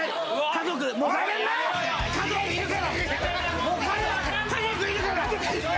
家族いるから！